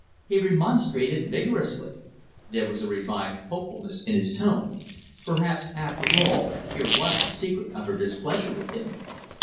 He remonstrated vigorously. There was a revived hopefulness in his tone. Perhaps, after all, here was the secret of her displeasure with him.